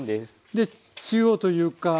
で中央というか。